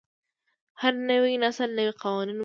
هر نوی نسل نوي قوانین مومي.